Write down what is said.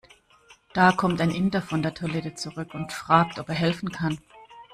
Da kommt ein Inder von der Toilette zurück und fragt, ob er helfen kann.